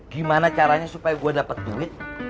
gimana caranya supaya gue dapat duit